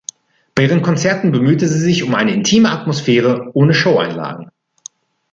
Bei ihren Konzerten bemühte sie sich um eine intime Atmosphäre ohne Showeinlagen.